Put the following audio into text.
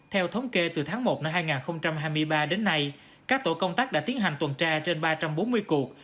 theo thống kê từ tháng một năm hai nghìn hai mươi ba đến nay các tổ công tác đã tiến hành tuần tra trên ba trăm bốn mươi cuộc